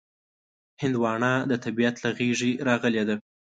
هندوانه د طبیعت له غېږې راغلې ده.